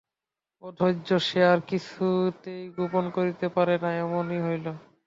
অধৈর্য সে আর কিছুতেই গোপন করিতে পারে না, এমনি হইল।